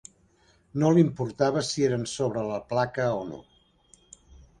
No l"importava si eren sobre la placa o no.